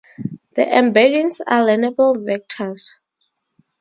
The embeddings are learnable vectors.